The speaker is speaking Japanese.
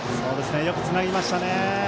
よくつなぎましたね。